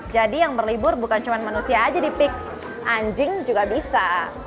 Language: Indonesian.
jadi yang berlibur bukan cuma manusia saja di pik anjing juga bisa